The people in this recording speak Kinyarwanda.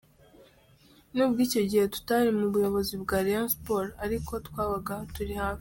Nubwo icyo gihe tutari mu buyobozi bwa Rayon Sports, ariko twabaga turi hafi.